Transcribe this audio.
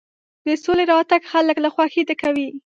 د سولې راتګ خلک له خوښۍ ډکوي.